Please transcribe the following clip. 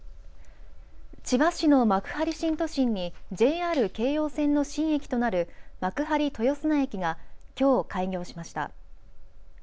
千葉市の幕張新都心にＪＲ京葉線の新駅となる幕張豊砂駅がきょう開業しました。